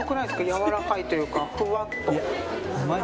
やわらかいというかふわっと。